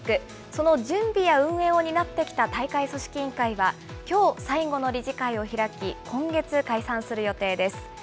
その準備や運営を担ってきた大会組織委員会は、きょう、最後の理事会を開き、今月、解散する予定です。